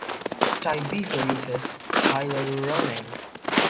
Type B produces hyaluronan.